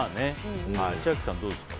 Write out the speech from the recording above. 千秋さん、どうですか。